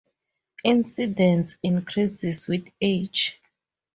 Incidence increases with age.